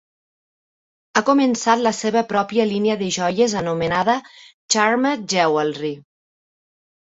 Ha començat la seva pròpia línia de joies anomenada "Charmed Jewelry"